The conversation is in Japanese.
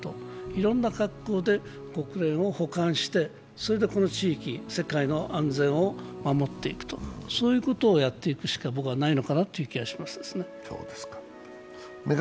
いろんな格好で、国連を補完して、それで、この地域、世界の安全を守っていく、そういうことをやっていくしか僕はないのかなとい気がしますね。